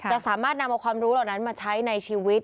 สามารถนำเอาความรู้เหล่านั้นมาใช้ในชีวิต